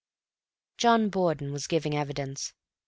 John Borden was giving evidence.